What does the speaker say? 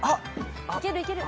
いけるいける。